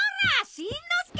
しんのすけ！